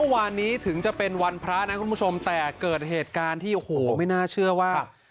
เมื่อวานนี้ถึงจะเป็นวันพระนะคุณผู้ชมแต่เกิดเหตุการณ์ที่โอ้โหไม่น่าเชื่อว่า